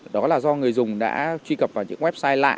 đó là do người dùng đã truy cập vào những website lạ